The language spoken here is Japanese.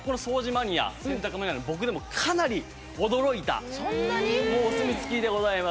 マニア洗濯マニアの僕でもかなり驚いたもうお墨付きでございます。